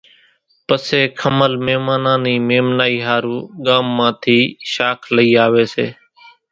پسي کمل ميمانان نِي ميمنائِي ۿارُو ڳام مان ٿِي شاک لئِي آويَ سي۔